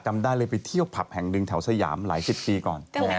จำได้เลยไปเที่ยวผับแห่งหนึ่งแถวสยามหลายสิบปีก่อน